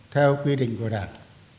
theo quy định của đảng